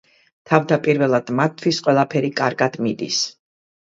თავდაპირველად, მათთვის ყველაფერი კარგად მიდის.